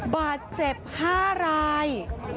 บาดเจ็บ๕ราย